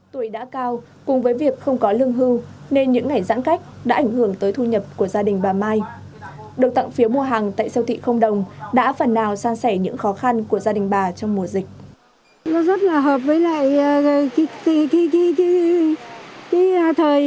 tuổi đã cao cùng với việc không có lương hưu nên những ngày giãn cách đã ảnh hưởng tới thu nhập của gia đình bà mai được tặng phiếu mua hàng tại siêu thị không đồng đã phần nào san sẻ những khó khăn của gia đình bà trong mùa dịch